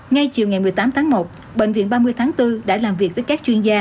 ngay chiều ngày một mươi tám tháng một bệnh viện ba mươi tháng bốn đã làm việc với các chuyên gia